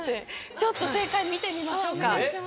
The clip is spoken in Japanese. ちょっと正解見てみましょうか。